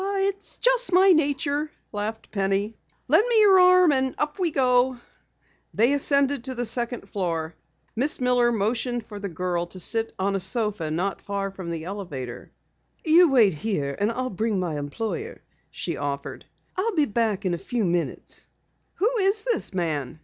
"It's just my nature," laughed Penny. "Lend me your arm, and up we go." They ascended to the second floor. Miss Miller motioned for the girl to sit down on a sofa not far from the elevator. "You wait here and I'll bring my employer," she offered. "I'll be back in a few minutes." "Who is this man?"